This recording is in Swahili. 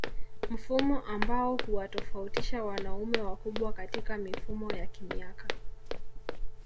Mfumo ambao huwatofautisha wanaume wakubwa katika mifumo ya kimiaka